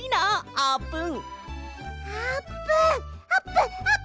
あーぷん！